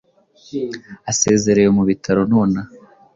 asezerewe mu bitaro nonaha